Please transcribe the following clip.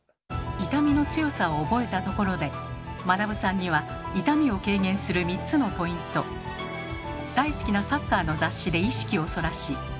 痛みの強さを覚えたところでまなぶさんには痛みを軽減する３つのポイント大好きなサッカーの雑誌で意識をそらし。